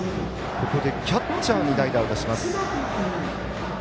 ここでキャッチャーに代打を出します。